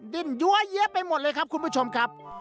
ดิ้นยั้วเยี้ยไปหมดเลยครับคุณผู้ชมครับ